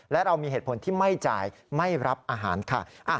และเรามีเหตุผลที่ไม่จ่ายไม่รับอาหารค่ะ